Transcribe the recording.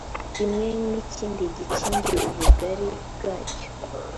imwe n ikindi gikingi ubugari bwacyo